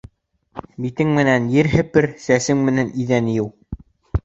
Битең менән ер һепер, сәсең менән иҙән йыу.